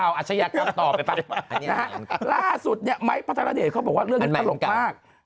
แล่งสุดเนี่ยไม้ว่าเรื่องนี้ตลกมาก